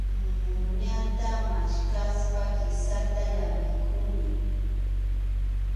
Muñata maskaspa kisata llamiykurquni.